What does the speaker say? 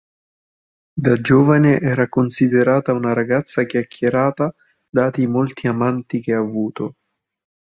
Da giovane era considerata una ragazza "chiacchierata" dati i molti amanti che ha avuto.